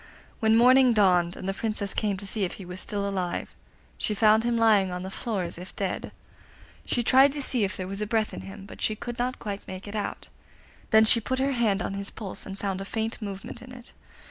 When morning dawned, and the Princess came to see if he was still alive, she found him lying on the floor as if dead. She tried to see if there was breath in him, but could not quite make it out. Then she put her hand on his pulse, and found a faint movement in it.